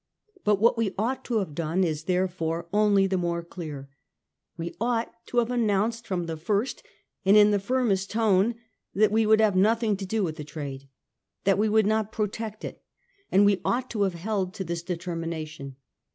But what we ought to have done is, therefore, only the more dear. We ought to have announced from the first, and in the firmest tone, that we would have nothing to do with the trade ; that we would not protect it ; and we . ought to have held to this determination.